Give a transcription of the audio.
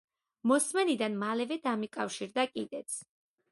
მოსმენიდან მალევე დამიკავშირდა კიდეც.